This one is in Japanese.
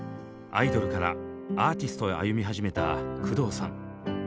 アイドルからアーティストへ歩み始めた工藤さん。